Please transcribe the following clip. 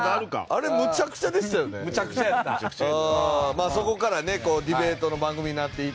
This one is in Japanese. まあそこからねディベートの番組になっていって。